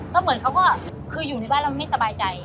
ก็เหมือนเขาก็คืออยู่ในบ้านแล้วไม่สบายใจ